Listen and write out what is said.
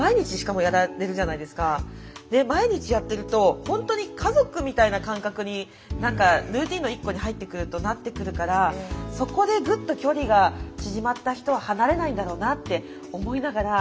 毎日やってるとほんとに家族みたいな感覚に何かルーティーンの一個に入ってくるとなってくるからそこでグッと距離が縮まった人は離れないんだろうなって思いながら。